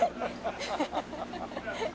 ハハハハッ！